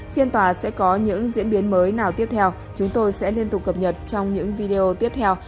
phiên tòa sẽ có những diễn biến mới nào tiếp theo chúng tôi sẽ liên tục cập nhật trong những video tiếp theo